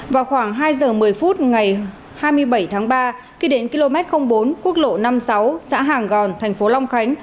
vào khoảng hai giờ một mươi phút ngày hai mươi bảy tháng ba khi đến km bốn quốc lộ năm mươi sáu xã hàng gòn thành phố long khánh